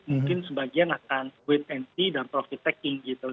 mungkin sebagian akan wait and see dan profit taking gitu